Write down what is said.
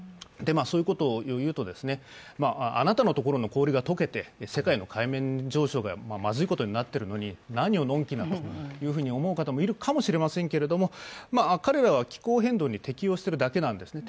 そういうことを言うと、あなたの所の氷が解けて世界の海面上昇がまずいことになっているのに何をのんきなというふうに思う方もいるかもしれませんけど彼らは気候変動に適応しているだけなんですね。